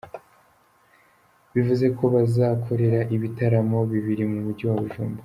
Bivuze ko bazakorera ibitaramo bibiri mu mujyi wa Bujumbura.